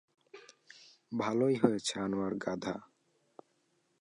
ভালই হয়েছে আনোয়ার, গাধা।